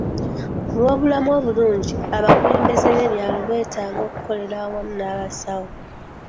Ku lw'obulamu obulungi, abakulembeze b'ebyalo beetaaga okukolera awamu n'abasawo.